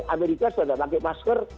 amerika sudah pakai masker